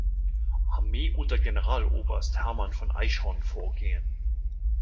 Armee unter Generaloberst Hermann von Eichhorn vorgehen.